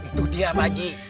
itu dia pak haji